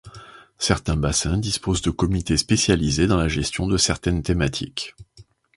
Certains bassins disposent de comité spécialisés dans la gestion de certaines thématiques.